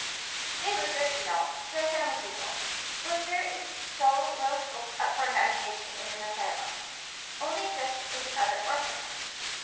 They were good, you know the asylum people. But there is so little scope for the imagination in an asylum only just in the other orphans.